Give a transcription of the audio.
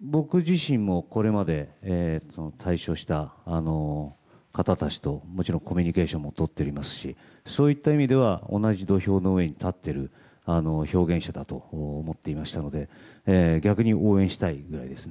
僕自身もこれまで退所した方たちともちろんコミュニケーションも取っておりますしそういった意味では同じ土俵の上に立っている表現者だと思っていましたので逆に応援したいくらいです。